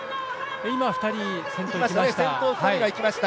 今、２人が先頭にいきました。